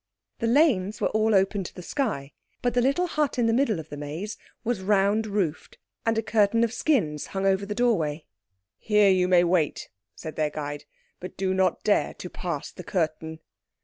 The lanes were all open to the sky, but the little hut in the middle of the maze was round roofed, and a curtain of skins hung over the doorway. "Here you may wait," said their guide, "but do not dare to pass the curtain."